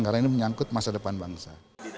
karena ini menyangkut masa depan bangsa